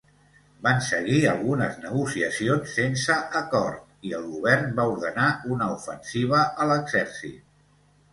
Van seguir algunes negociacions sense acord i el govern va ordenar una ofensiva a l'exèrcit.